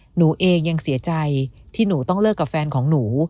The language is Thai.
หนูเองยังเสียใจที่หนูต้องเลิกกับแฟนของหนู